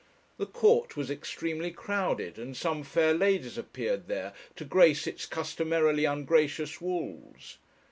The court was extremely crowded, and some fair ladies appeared there to grace its customarily ungracious walls.